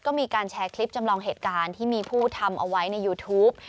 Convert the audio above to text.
ก็มีการแชร์คลิปจำลองเหตุการณ์ที่มีผู้ทำเอาไว้ในยูทูป